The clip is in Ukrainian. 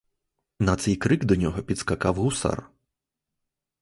На цей крик до нього підскакав гусар.